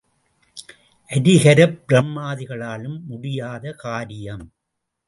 அரிகரப் பிரம்மாதிகளாலும் முடியாத காரியம்.